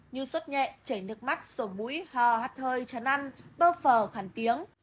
như sốt nhẹ chảy nước mắt sổ bũi hò hắt hơi chán ăn bơ phở khẳng tiếng